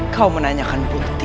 kau menanyakan bukti